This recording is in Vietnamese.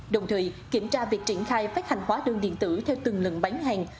đồng thời kiểm tra việc triển khai phát hành hóa đơn điện tử theo từng lần bán hàng